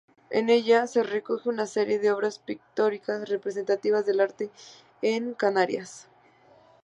En ella se recoge una serie de obras pictóricas representativas del arte en Canarias.